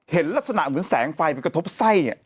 เห็นลักษณะเหมือนแสงไฟไปกระทบไส้